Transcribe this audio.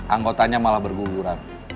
anggotanya malah berguguran